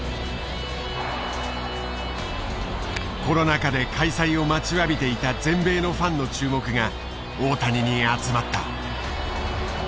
コロナ禍で開催を待ちわびていた全米のファンの注目が大谷に集まった。